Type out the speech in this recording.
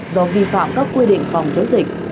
do vi phạm các quy định phòng chống dịch